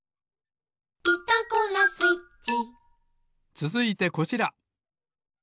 つづいてこちら！